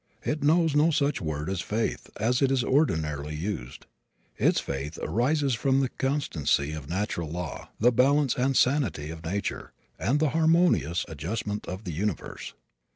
It knows no such word as "faith," as it is ordinarily used. Its faith arises from the constancy of natural law, the balance and sanity of nature, and the harmonious adjustment of the universe.